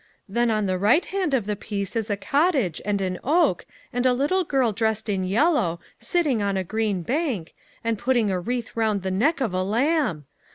Then on the right hand of the piece is a cottage, and an oak, and a little girl dressed in yellow, sitting on a green bank, and putting a wreath round the neck of a lamb.